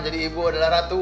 jadi ibu adalah ratu